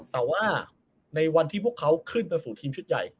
แต่ว่าในวันที่พวกเขาขึ้นมาสู่ทีมชุดใหญ่